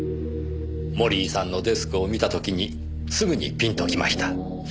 森井さんのデスクを見た時にすぐにピンときました。